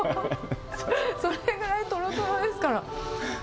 それぐらいとろとろですから。